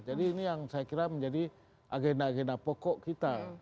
jadi ini yang saya kira menjadi agenda agenda pokok kita